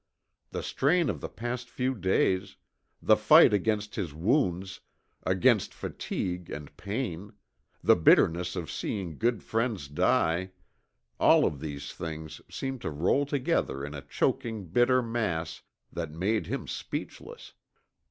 The strain of the past few days; the fight against his wounds, against fatigue and pain; the bitterness of seeing good friends die ... all of these things seemed to roll together in a choking bitter mass that made him speechless.